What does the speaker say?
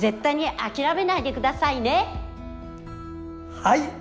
はい！